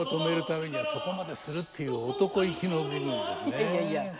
いやいやいや。